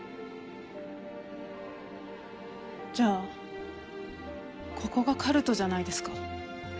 じゃあここがカルトじゃないですか。